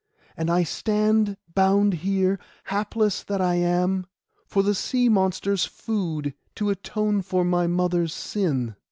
And I stand bound here, hapless that I am, for the sea monster's food, to atone for my mother's sin.